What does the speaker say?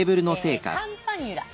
カンパニュラ。